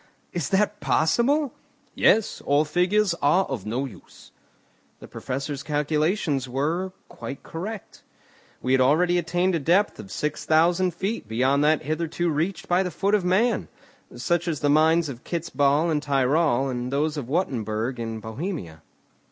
"Is that possible?" "Yes, or figures are of no use." The Professor's calculations were quite correct. We had already attained a depth of six thousand feet beyond that hitherto reached by the foot of man, such as the mines of Kitz Bahl in Tyrol, and those of Wuttembourg in Bohemia.